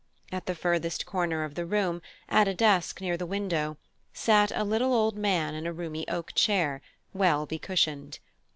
At the furthest corner of the room, at a desk near the window, sat a little old man in a roomy oak chair, well becushioned.